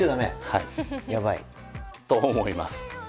ヤバい？と思います。